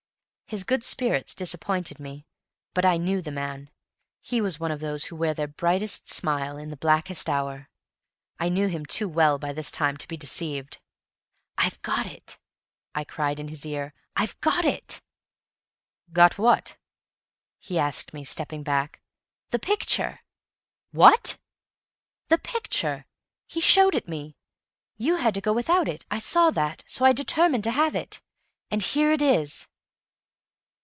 His good spirits disappointed me. But I knew the man: he was one of those who wear their brightest smile in the blackest hour. I knew him too well by this time to be deceived. "I've got it!" I cried in his ear. "I've got it!" "Got what?" he asked me, stepping back. "The picture!" "WHAT?" "The picture. He showed it me. You had to go without it; I saw that. So I determined to have it. And here it is."